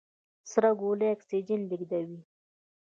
سره ګولۍ اکسیجن لېږدوي.